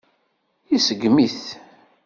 Iseggem-it.